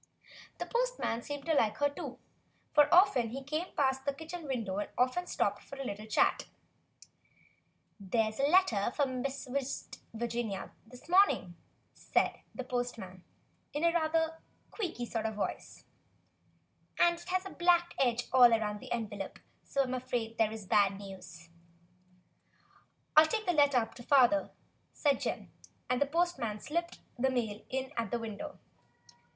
The postman seemed to like her, too, for he always came past the kitchen window and often stopped for a little chat. "There's a letter from Virginia for Mr. West this morning," said the postman, "and it has a black edge all around the envelope, so I'm afraid there is bad news." "I'll take the letter up to father," said Jim; and the postman slipped the mail in at the window.